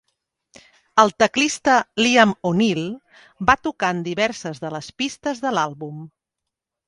El teclista Liam O'Neil va tocar en diverses de les pistes de l'àlbum.